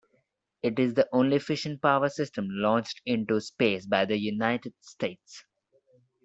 It is the only fission power system launched into space by the United States.